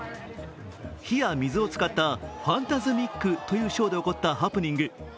冷や水を使ったファンタズミック！というショーで起こったハプニング。